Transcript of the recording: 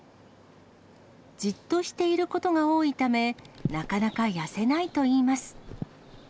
じっとしていることが多いため、なかなか痩せないといいます。